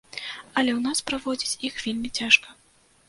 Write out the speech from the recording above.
Але ў нас праводзіць іх вельмі цяжка.